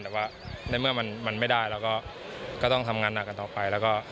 แต่ว่าในเมื่อมันไม่ได้เราก็ต้องทำงานหนักกันต่อไปแล้วก็